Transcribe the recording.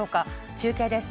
中継です。